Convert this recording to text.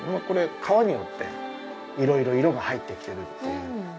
これかわによっていろいろ色がはいってきてるっていう。